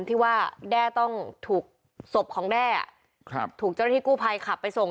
ที่ว่าแด้ต้องถูกศพของแด้ถูกเจ้าหน้าที่กู้ภัยขับไปส่ง